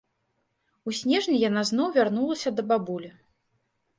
У снежні яна зноў вярнулася да бабулі.